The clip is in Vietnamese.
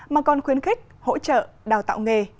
mà còn khuyến khích hỗ trợ đào tạo nghề